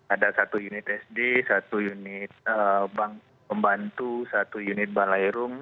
ada satu unit sd satu unit bank pembantu satu unit balairum